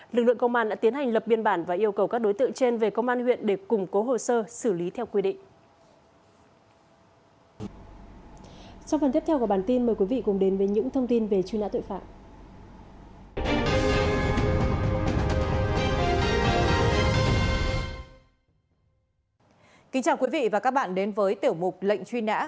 lực lượng công an đã tiến hành lập biên bản và yêu cầu các đối tượng trên về công an huyện để củng cố hồ sơ xử lý theo quy định